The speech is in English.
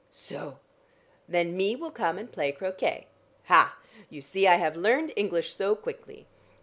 '" "So! Then me will come and play croquet. Ha! You see I have learned English so quickly.